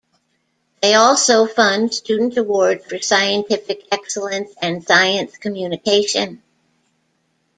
They also fund student awards for scientific excellence and science communication.